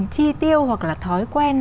chi tiêu hoặc là thói quen